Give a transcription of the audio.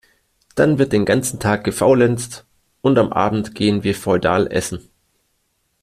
Dann wird den ganzen Tag gefaulenzt und am Abend gehen wir feudal Essen.